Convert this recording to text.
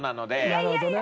なるほどね。